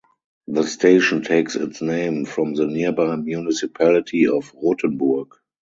The station takes its name from the nearby municipality of Rothenburg.